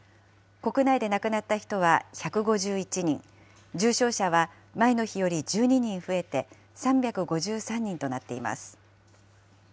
国内で亡くなった人は１５１人、重症者は前の日より１２人増えて、３５３人となっています。